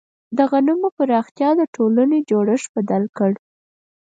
د غنمو پراختیا د ټولنې جوړښت بدل کړ.